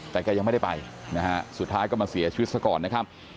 แต่แกยังไม่ได้ไปนะฮะสุดท้ายก็มาเสียชีวิตซะก่อนนะครับ